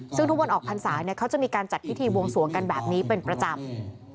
ซึ่งทุกวันออกพรรษาเขาจะมีการจัดพิธีบวงสวงกันแบบนี้เป็นประจำ